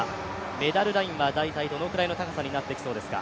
メダルラインは大体どのくらいの高さになってきそうですか？